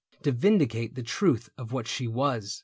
To vindicate the truth of what she was.